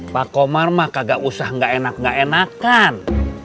pakomar mah kagak usah gak enak ngak enakan